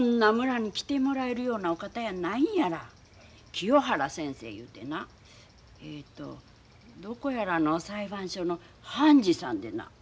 清原先生いうてなえとどこやらの裁判所の判事さんでな。